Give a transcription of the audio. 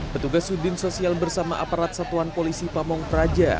petugas sudin sosial bersama aparat satuan polisi pamong praja